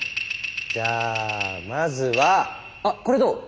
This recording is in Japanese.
じゃあまずはあっこれどう？